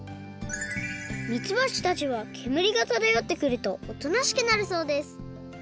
みつばちたちはけむりがただよってくるとおとなしくなるそうです。